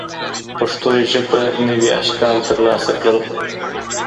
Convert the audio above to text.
پښتو ژبه نوي اشکال ترلاسه کړل.